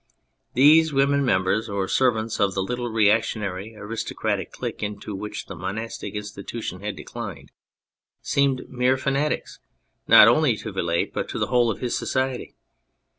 These women, members or servants of the little reactionary aristocratic clique into which the monastic institution had declined, seemed mere fanatics not only to Vilate but to the whole of his society.